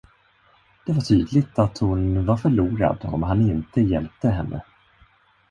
Det var tydligt att hon var förlorad om han inte hjälpte henne.